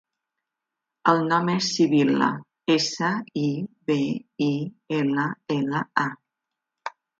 El nom és Sibil·la: essa, i, be, i, ela, ela, a.